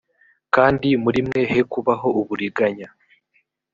kandi muri mwe hekubaho uburiganya